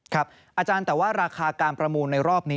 อาจารย์แต่ว่าราคาการประมูลในรอบนี้